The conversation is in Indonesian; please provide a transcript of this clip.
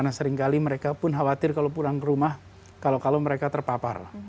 dan kemudian mereka pun khawatir kalau pulang ke rumah kalau kalau mereka terpapar